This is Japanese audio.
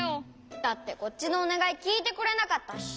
だってこっちのおねがいきいてくれなかったし。